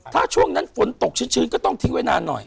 ถ้าช่วงนั้นฝนตกชื้นก็ต้องทิ้งไว้นานหน่อย